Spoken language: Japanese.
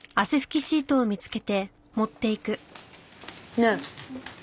ねえ。